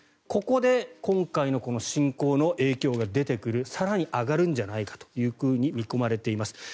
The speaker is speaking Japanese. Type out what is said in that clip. ここで今回のこの侵攻の影響が出てくる更に上がるんじゃないかと見込まれています。